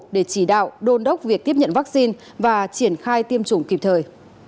để chỉ đạo đôn đốc việc tiếp nhận vaccine và triển khai tiêm chủng kịp thời